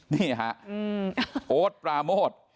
นี่นะครับโอ้ดปราโมท